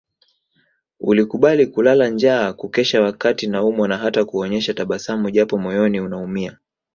Ulikubali kulala njaa kukesha wakati naumwa na hata kuonyesha tabasamu japo moyoni unaumia